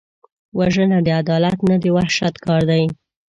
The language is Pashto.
وژنه د عدالت نه، د وحشت کار دی